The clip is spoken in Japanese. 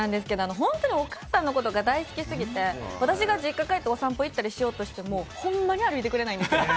本当にお母さんのことが大好きすぎて私が実家に帰ってお散歩行ったりしても、こんなに歩いてくれないんです。